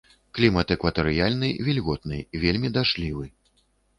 Клімат экватарыяльны вільготны, вельмі дажджлівы.